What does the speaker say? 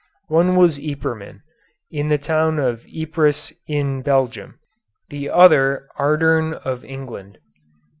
One was Yperman, of the town of Ypres in Belgium; the other Ardern of England.